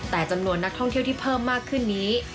แต่จำนวนนักท่องเที่ยวที่เพิ่มมากขึ้นนี้